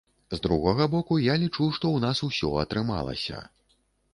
З другога боку, я лічу, што ў нас усё атрымалася.